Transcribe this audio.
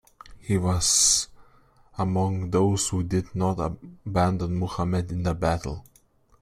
He was among those who did not abandon Muhammad in the battle.